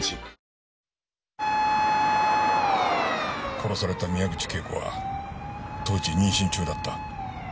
殺された宮口景子は当時妊娠中だった。